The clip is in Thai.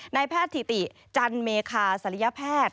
นายแพทย์ถิติจันเมคาศัลยแพทย์